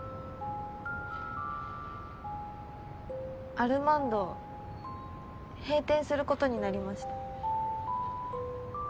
アルマンド閉店することになりました。